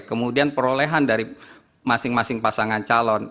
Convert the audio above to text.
kemudian perolehan dari masing masing pasangan calon